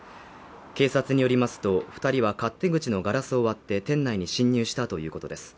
警察によりますと二人は勝手口のガラスを割って店内に侵入したということです